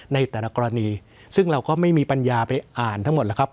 ในแต่ละกรณีซึ่งเราก็ไม่มีปัญญาไปอ่านทั้งหมดแล้วครับ